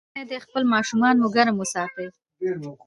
ژمی دی، خپل ماشومان مو ګرم وساتئ.